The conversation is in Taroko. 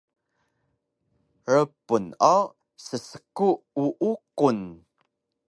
Rpun o ssku uuqun